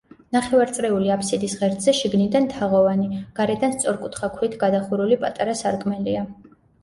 ნახევარწრიული აფსიდის ღერძზე შიგნიდან თაღოვანი, გარედან სწორკუთხა ქვით გადახურული პატარა სარკმელია.